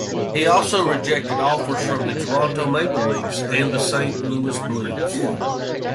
He also rejected offers from the Toronto Maple Leafs and the Saint Louis Blues.